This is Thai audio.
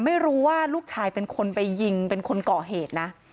ไม่รู้ว่าลูกชายเป็นคนไปยิงเป็นคนก่อเหตุนะ